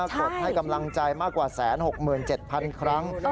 กดให้กำลังใจมากกว่า๑๖๗๐๐ครั้ง